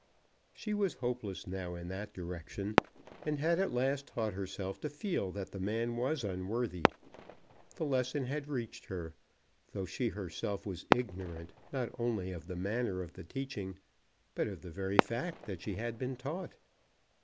She was hopeless now in that direction, and had at last taught herself to feel that the man was unworthy. The lesson had reached her, though she herself was ignorant not only of the manner of the teaching, but of the very fact that she had been taught.